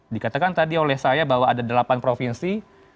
dikatakan tadi oleh saya bahwa ada delapan provinsi